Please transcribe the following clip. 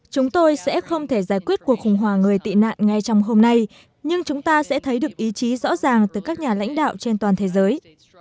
chúng tôi sẽ không thể giải quyết cuộc khủng hoảng người tị nạn ngay trong hôm nay nhưng chúng ta sẽ thấy được ý chí rõ ràng từ các nhà lãnh đạo trên toàn thế giới